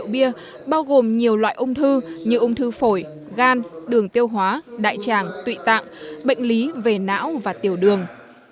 rượu bia bao gồm nhiều loại ung thư như ung thư phổi gan đường tiêu hóa đại tràng tụy tạng bệnh lý về não và tiểu đường